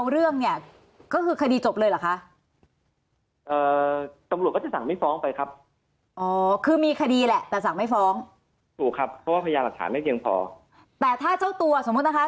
อันนี้ก็ว่ากะอีกเรื่องหนึ่งนะครับเพราะว่า